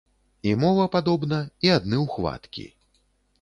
І мова падобна, і адны ухваткі.